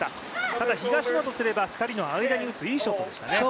ただ、東野とすれば２人の間に打つ、いいショットでしたね。